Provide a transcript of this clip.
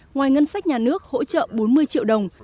ngoài ngân sách nhà nước hỗ trợ bốn mươi triệu đồng